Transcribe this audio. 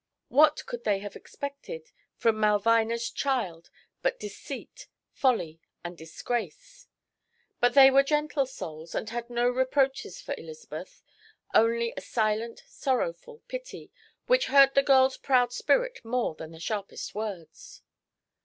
What could they have expected from Malvina's child but deceit, folly and disgrace? But they were gentle souls, and had no reproaches for Elizabeth, only a silent, sorrowful pity, which hurt the girl's proud spirit more than the sharpest words.